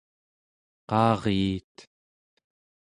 qaaryiit